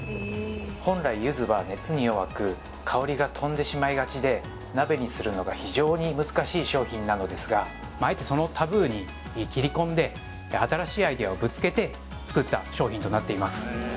本来ゆずは熱に弱く香りがとんでしまいがちで鍋にするのが非常に難しい商品なのですがあえてそのタブーに切り込んで新しいアイデアをぶつけて作った商品となっています